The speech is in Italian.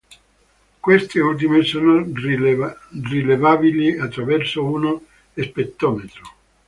Queste ultime sono rilevabili attraverso uno spettrometro.